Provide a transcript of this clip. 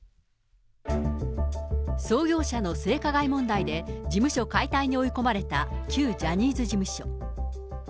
創業者の性加害問題で事務所解体に追い込まれた旧ジャニーズ事務所。